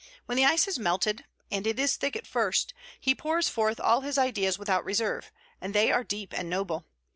When the ice has melted and it is thick at first he pours forth all his ideas without reserve; and they are deep and noble.